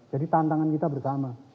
jadi tantangan kita bersama